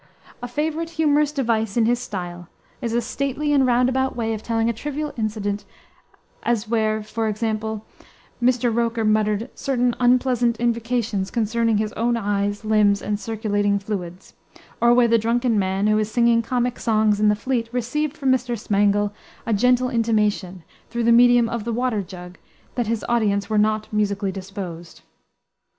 A favorite humorous device in his style is a stately and roundabout way of telling a trivial incident as where, for example, Mr. Roker "muttered certain unpleasant invocations concerning his own eyes, limbs, and circulating fluids;" or where the drunken man who is singing comic songs in the Fleet received from Mr. Smangle "a gentle intimation, through the medium of the water jug, that his audience were not musically disposed."